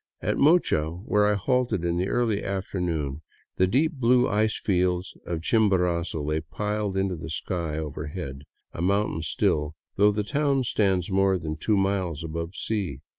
At Mocha, where I halted in the early after noon, the deep blue ice fields of Chimborazo lay piled into the sky overhead, a mountain still, though the town stands more than two miles above the sea.